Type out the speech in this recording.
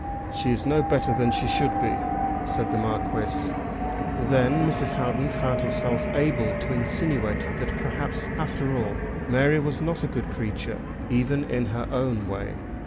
"She is no better than she should be," said the Marquis. Then Mrs. Houghton found herself able to insinuate that perhaps, after all, Mary was not a good creature, even in her own way.